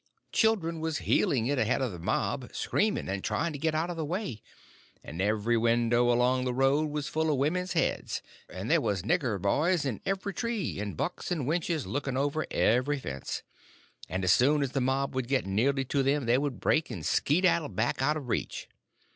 Children was heeling it ahead of the mob, screaming and trying to get out of the way; and every window along the road was full of women's heads, and there was nigger boys in every tree, and bucks and wenches looking over every fence; and as soon as the mob would get nearly to them they would break and skaddle back out of reach.